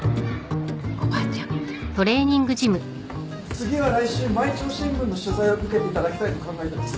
次は来週毎朝新聞の取材を受けていただきたいと考えてます。